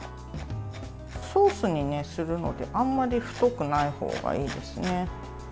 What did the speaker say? ソースにするのであまり太くないほうがいいですね。